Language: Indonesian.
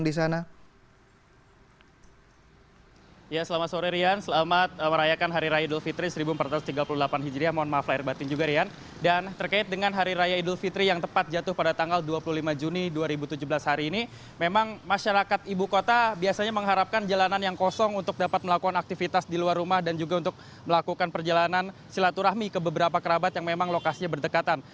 dan terkait dengan hari raya idul fitri yang tepat jatuh pada tanggal dua puluh lima juni dua ribu tujuh belas hari ini memang masyarakat ibu kota biasanya mengharapkan jalanan yang kosong untuk dapat melakukan aktivitas di luar rumah dan juga untuk melakukan perjalanan silaturahmi ke beberapa kerabat yang memang lokasinya berdekatan